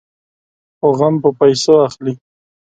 خو غم په پيسو اخلي.